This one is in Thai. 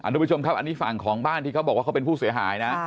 ทุกผู้ชมครับอันนี้ฝั่งของบ้านที่เขาบอกว่าเขาเป็นผู้เสียหายนะ